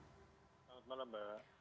selamat malam mbak